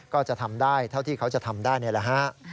ก็จะทำได้เท่าที่เขาจะทำได้นี่แหละฮะ